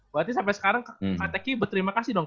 berarti sampe sekarang kakek nya berterima kasih dong